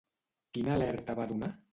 Quina alerta va donar?